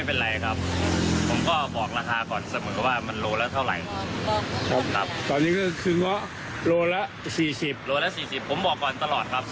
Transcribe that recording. บอกลูกค้าทุกคนบอกทุกครั้งครับบอกก่อนที่จะซื้อจะสั่ง